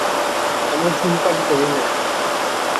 আমি ধূমপান করি না।